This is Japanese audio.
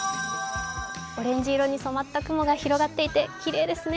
オレンジ色に染まった雲が広がっていてきれいですね。